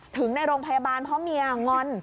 ถึงในโรงพยาบาลเพราะเมียงอน